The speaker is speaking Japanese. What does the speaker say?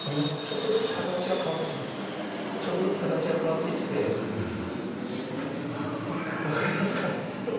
ちょっとずつ形が変わってきてこれ分かりますか？